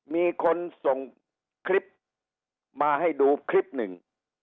มีคนส่งคลิปมาให้ดูคลิปหนึ่ง